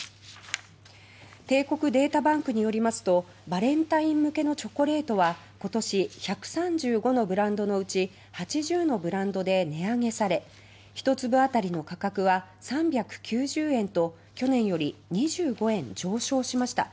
帝国データバンクによりますとバレンタイン向けのチョコレートは今年１３５のブランドのうち８０のブランドで値上げされ１粒あたりの価格は３９０円と去年より２５円上昇しました。